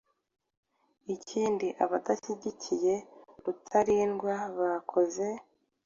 Ikindi abadashyigikiye Rutalindwa bakoze,